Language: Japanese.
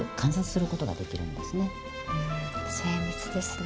うん精密ですね。